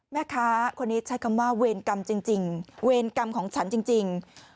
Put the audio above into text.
แม่ค้าคนนี้ใช้คำว่าเวรกรรมจริงเวรกรรมของฉันจริง